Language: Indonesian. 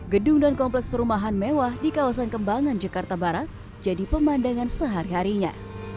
gedung dan kompleks perumahan mewah di kawasan kembangan jakarta barat jadi pemandangan sehari harinya